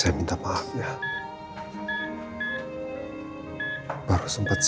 jadi siapa lagi verste games bisa dia testimonian